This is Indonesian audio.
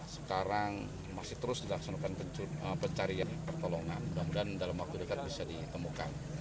sekarang masih terus dilaksanakan pencarian pertolongan mudah mudahan dalam waktu dekat bisa ditemukan